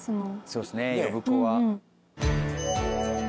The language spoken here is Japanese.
そうですね呼子は。